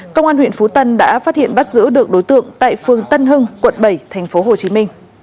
công an huyện phú tân đã phát hiện bắt giữ được đối tượng tại phường tân hưng quận bảy tp hcm